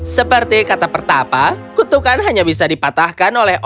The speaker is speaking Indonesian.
seperti kata pertama kutukan hanya bisa dipatahkan oleh orang